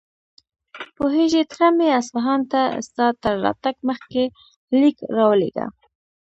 پوهېږې، تره مې اصفهان ته ستا تر راتګ مخکې ليک راولېږه.